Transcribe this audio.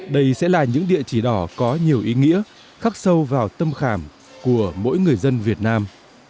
đây sẽ là những địa chỉ đỏ có nhiều ý nghĩa khắc sâu vào tâm khảm của mỗi người dân việt nam